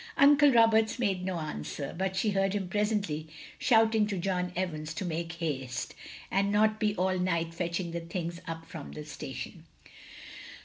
Uncle Roberts made no answer, but she heard him presently shouting to John Evans to make haste, and not be all night fetching the things up from the station.